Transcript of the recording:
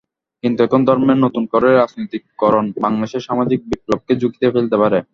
কিন্তু এখন ধর্মের নতুন করে রাজনৈতিকীকরণ বাংলাদেশের সামাজিক বিপ্লবকে ঝুঁকিতে ফেলতে পারে।